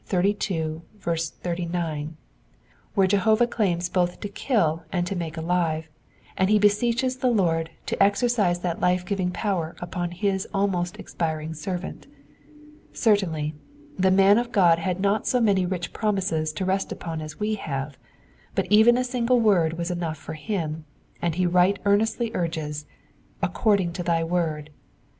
xxxii. 89, where Jehovah claims both to kill and to make alive, and he beseeches the Lord to exercise that life giving power upon his almost expiring servant. Certainly, the man of God had not so many rich Sromises to rest upon as we have, but even a single word was enough for im, and he right earnestly urges according to thy word."